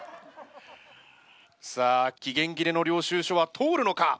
さあ期限切れの領収書は通るのか？